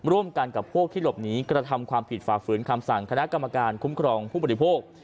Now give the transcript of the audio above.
ร่วมกันกับพวกที่หลบหนีกระทำความผิดฝ่าฝืนคำสั่งคณะกรรมการคุ้มครองผู้บริโภค